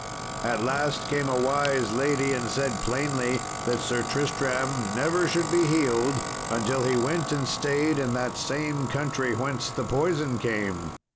At last came a wise lady, and said plainly that Sir Tristram never should be healed, until he went and stayed in that same country whence the poison came.